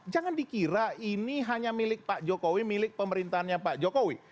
jangan dikira ini hanya milik pak jokowi milik pemerintahnya pak jokowi